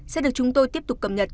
sẽ được chúng tôi tiếp tục cập nhật